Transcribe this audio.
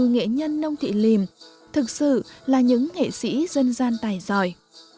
các nghỉ lễ then như nghệ nhân nông thị lìm thực sự là những nghệ sĩ dân gian tài giỏi